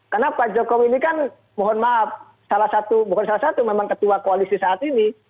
karena pak jokowi ini kan mohon maaf salah satu bukan salah satu memang ketua koalisi saat ini